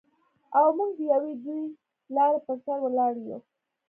او موږ د یوې دوې لارې پر سر ولاړ یو.